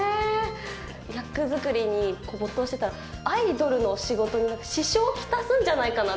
役作りに没頭していたら、アイドルの仕事に支障を来すんじゃないかなと。